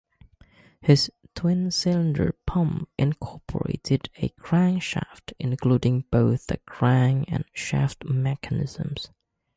His twin-cylinder pump incorporated a crankshaft, including both the crank and shaft mechanisms.